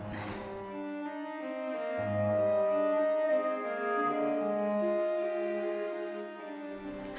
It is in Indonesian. tetap dengan ees